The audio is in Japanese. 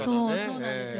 そうなんですよ。